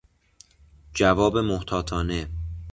جواب محتاطانه